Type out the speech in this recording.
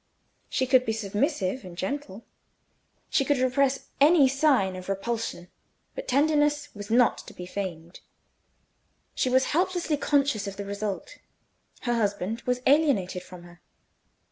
She could be submissive and gentle, she could repress any sign of repulsion; but tenderness was not to be feigned. She was helplessly conscious of the result: her husband was alienated from her.